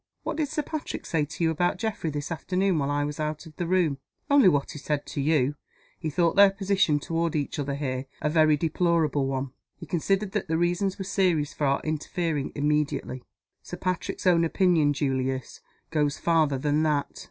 "What did Sir Patrick say to you about Geoffrey this afternoon while I was out of the room?" "Only what he said to you. He thought their position toward each other here a very deplorable one. He considered that the reasons were serious for our interfering immediately." "Sir Patrick's own opinion, Julius, goes farther than that."